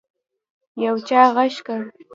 يو چا غږ کړ.